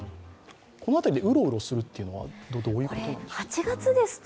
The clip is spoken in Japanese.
このあたりでうろうろするというのは、どういうことですか？